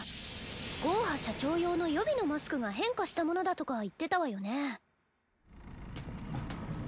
ゴーハ社長用の予備のマスクが変化したものだとか言ってたわよね。